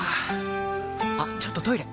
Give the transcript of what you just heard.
あっちょっとトイレ！